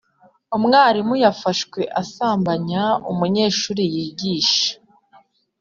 Umwarimu yafashwe asambanya umunyeshuri yigisha